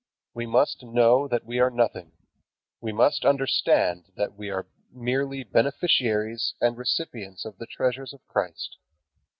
We must know that we are nothing. We must understand that we are merely beneficiaries and recipients of the treasures of Christ.